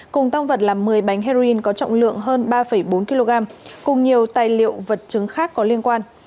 cùng tăng vật là một mươi bánh heroin có trọng lượng hơn ba bốn kg cùng nhiều tài liệu vật chứng khác có liên quan